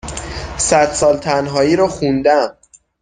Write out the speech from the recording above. صد سال تنهایی رو خوندم